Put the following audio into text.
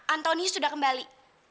antoni sudah kembali